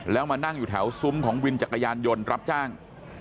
แล้วมานั่งอยู่แถวซุ้มของวินจักรยานยนต์รับจ้าง